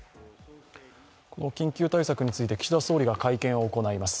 この緊急対策について岸田総理が会見を行います。